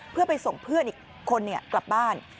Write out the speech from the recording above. เพื่อไปส่งเพื่อนอีกคนกลับบ้าน